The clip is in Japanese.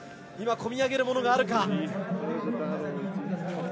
今、込み上げるものがあるか。